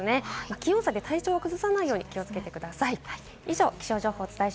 気温差で体調を崩さないように、お気をつけください。